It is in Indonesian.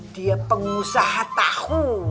dia pengusaha tahu